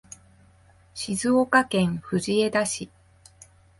静岡県藤枝市